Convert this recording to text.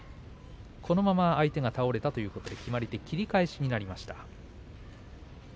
このまま相手が倒れたということで決まり手は切り返しになりました。